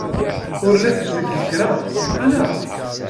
Ur la tetteg kra, neɣ ala?